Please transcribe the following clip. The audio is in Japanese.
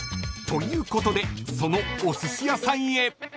［ということでそのおすし屋さんへ］